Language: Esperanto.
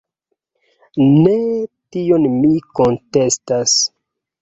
Ne tion mi kontestas.